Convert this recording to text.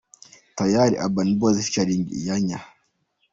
Tayali – Urban Boys Ft Iyanya.